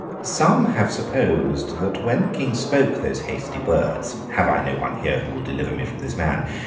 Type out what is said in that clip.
Some have supposed that when the King spoke those hasty words, 'Have I no one here who will deliver me from this man?